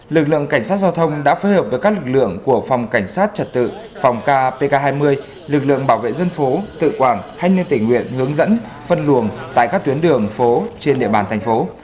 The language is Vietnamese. lực lượng cảnh sát giao thông đã phối hợp với các lực lượng của phòng cảnh sát trật tự phòng k pk hai mươi lực lượng bảo vệ dân phố tự quản thanh niên tình nguyện hướng dẫn phân luồng tại các tuyến đường phố trên địa bàn thành phố